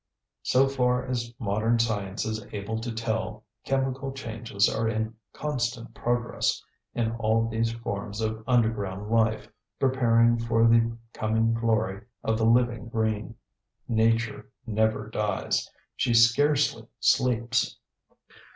So far as modern science is able to tell, chemical changes are in constant progress in all these forms of underground life, preparing for the coming glory of the living green. Nature never dies. She scarcely sleeps.